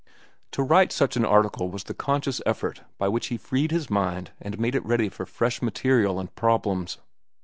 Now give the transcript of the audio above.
To write such an article was the conscious effort by which he freed his mind and made it ready for fresh material and problems.